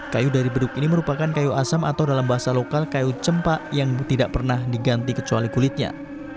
kayu dari beduk ini merupakan kayu asam atau dalam bahasa lokal kayu cempak yang tidak pernah diganti kecuali kulitnya